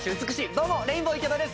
どうもレインボー池田です。